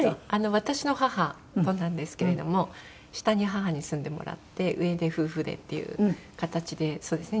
私の母となんですけれども下に母に住んでもらって上で夫婦でっていう形でそうですね。